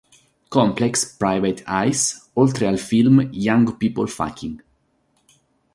Complex", Private Eyes oltre al film "Young People Fucking".